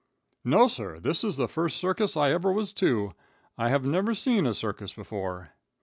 "No, sir. This is the first circus I ever was to. I have never saw a circus before."